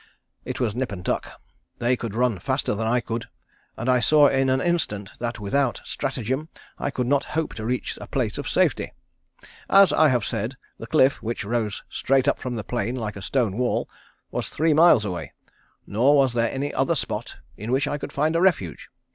It was nip and tuck. They could run faster than I could, and I saw in an instant that without stratagem I could not hope to reach a place of safety. As I have said, the cliff, which rose straight up from the plain like a stone wall, was three miles away, nor was there any other spot in which I could find a refuge.